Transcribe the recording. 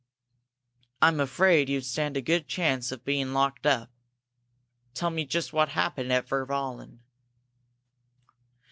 I'm afraid you'd stand a good chance of being locked up. Tell me just what happened at Virballen."